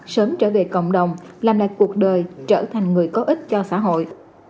sớm trở về cộng đồng làm lại cuộc đời trở thành người có ích cho xã hội